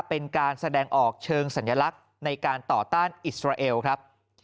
เป็นการแสดงออกเชิงสัญลักษณ์ในการต่อต้านอิสราเอลครับ